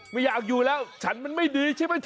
ไม่อยากอยู่แล้วฉันมันไม่ดีใช่ไหมเธอ